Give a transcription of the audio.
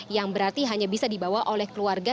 yang berarti hanya bisa dibawa oleh keluarga